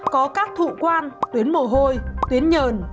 có các thụ quan tuyến mồ hôi tuyến nhờn